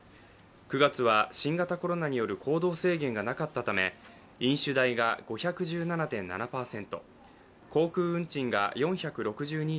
９月は新型コロナによる行動制限がなかったため飲酒代が５１７．７％、航空運賃が４６２．３％。